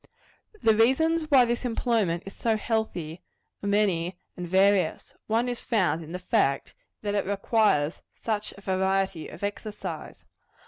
The reasons why this employment is so healthy, are many and various. One is found in the fact, that it requires such a variety of exercise.